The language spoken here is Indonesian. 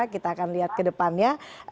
kita akan lihat kedepannya